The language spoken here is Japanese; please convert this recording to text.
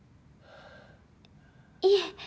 いえ